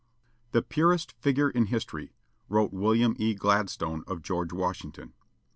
The "purest figure in history," wrote William E. Gladstone of George Washington.